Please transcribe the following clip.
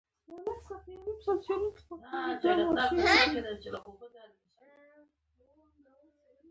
ټول یو رسول لري